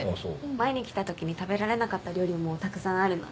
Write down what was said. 前に来た時に食べられなかった料理もたくさんあるので。